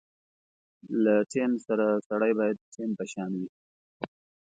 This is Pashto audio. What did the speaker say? له ټیم سره سړی باید ټیم په شان وي.